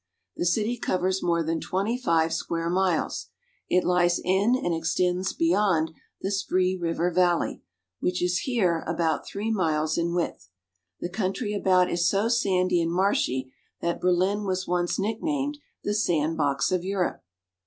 The city covers more than twenty five square miles. It lies in and extends beyond the Spree River valley, which is here about three miles in width. The country about is so sandy and marshy that Berlin was once nick named "The sand box of Europe."